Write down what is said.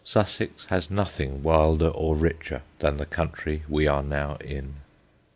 Sussex has nothing wilder or richer than the country we are now in.